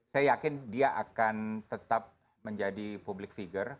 saya yakin dia akan tetap menjadi public figure